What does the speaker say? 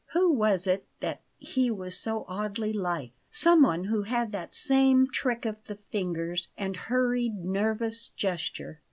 Who was it that he was so oddly like? Someone who had that same trick of the fingers and hurried, nervous gesture.